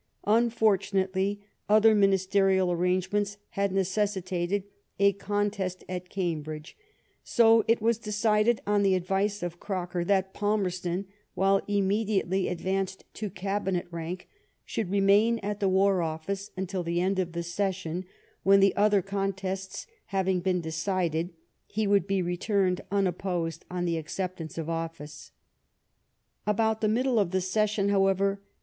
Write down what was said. Unfortunately other ministerial arrangements had necessitated a con test at Cambridge ; so it was decided, on the advice of Croker, that Palmerston, while immediately advanced to Cabinet rank, should remain at the War Office until the end of the session, when, the other contests having been decided, he would be returned unopposed on the acceptance of office. About the middle of the session, however.